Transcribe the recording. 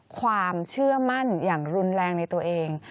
ความเชื่อมั่นอย่างรุนแรงในตัวเอง